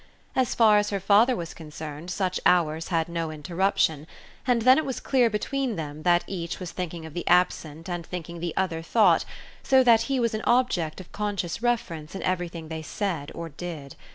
As far as her father was concerned such hours had no interruption; and then it was clear between them that each was thinking of the absent and thinking the other thought, so that he was an object of conscious reference in everything they said or did.